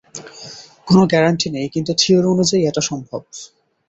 কোন গ্যারান্টি নেই, কিন্তু থিওরি অনুযায়ী এটা সম্ভব।